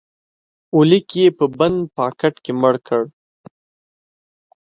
اولیک یې په بند پاکټ کې مړ کړ